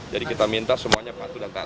jadi kita minta semuanya bantu dan tahan